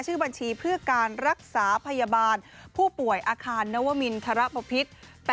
ชื่อบัญชีเพื่อการรักษาพยาบาลผู้ป่วยอาคารนวมินทรบพิษ